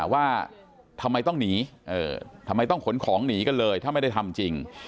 ว่าทำไมต้องหนีทำไมต้องขนของหนีกันเลยถ้าไม่ได้ทำจริง